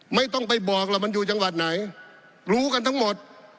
ไม่ต้องไปบอกหรอกมันอยู่จังหวัดไหนรู้กันทั้งหมด